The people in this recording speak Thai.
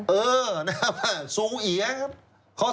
เออนะครับซูเอียครับ